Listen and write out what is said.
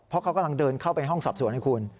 เพราะเขากำลังเดินเข้าไปห้องสอบสวนให้คุณ